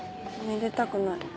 めでたくない。